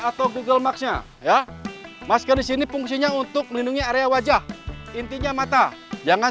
atau google marks nya ya masker disini fungsinya untuk melindungi area wajah intinya mata jangan